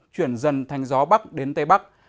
chuyển dần thành gió bắc đến tây bắc